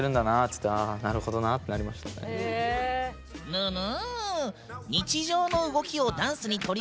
ぬぬ！